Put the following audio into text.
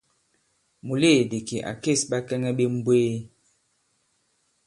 Mùleèdì kì à kês ɓakɛŋɛ ɓe mbwee.